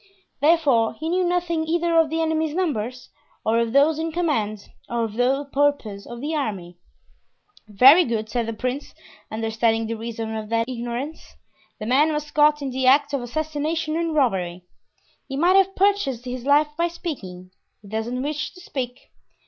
Therefore, he knew nothing either of the enemy's numbers, or of those in command, or of the purpose of the army. "Very good," said the prince, understanding the reason of that ignorance; "the man was caught in the act of assassination and robbery; he might have purchased his life by speaking; he doesn't wish to speak.